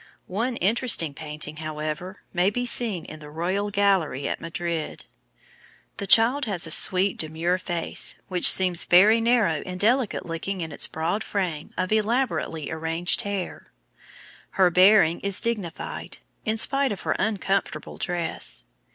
One interesting painting, however, may be seen in the Royal Gallery at Madrid. The child has a sweet, demure face, which seems very narrow and delicate looking in its broad frame of elaborately arranged hair. Her bearing is dignified, in spite of her uncomfortable dress.